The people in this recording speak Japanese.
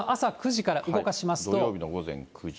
土曜日の午前９時。